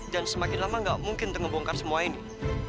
dan semakin lama gak mungkin ngebongkar semua ini